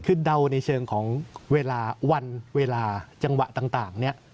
คือเดาในเชิงของเวลาวันเวลาจังหวะต่างเนี่ย